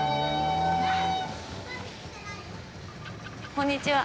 こんにちは。